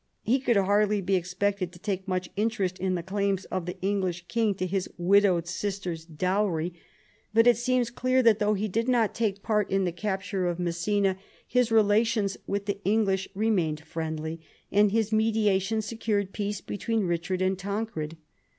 He could hardly be expected to take much interest in the claims of the English king to his widowed sister's dowry, ii THE BEGINNINGS OF PHILIP'S POWER 49 but it seems clear that, though he did not take part in the capture of Messina, his relations with the English remained friendly, and his mediation secured peace between Richard and Tancred.